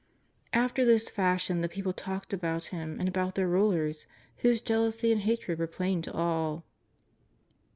After this fashion the people talked about Him and about their rulers, whose jealousy and hatred were plain to all.